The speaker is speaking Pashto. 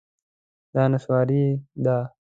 دا نسواري ده